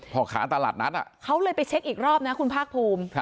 พ่อค้าตลาดนัดเขาเลยไปเช็คอีกรอบนะคุณภาคภูมิ